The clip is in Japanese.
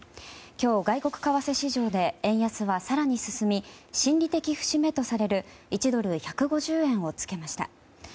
今日、外国為替市場で円安が更に進み心理的節目とされる１ドル＝１５０円をつけました。